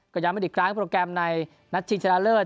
พยายามอีกครั้งโปรแกรมในนัทชิงชะละเลิศ